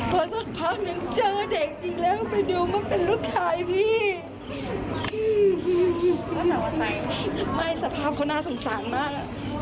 พอสักพักนึงเจอเด็กอีกแล้วไปดูมันเป็นลูกชายพี่พี่ไม่สภาพเขาน่าสงสารมากอ่ะ